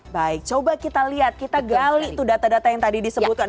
baik coba kita lihat kita gali tuh data data yang tadi disebutkan